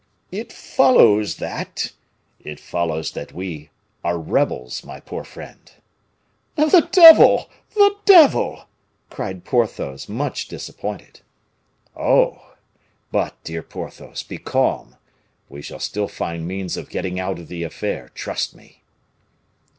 "It follows that " "It follows that we are rebels, my poor friend." "The devil! the devil!" cried Porthos, much disappointed. "Oh! but, dear Porthos, be calm, we shall still find means of getting out of the affair, trust me."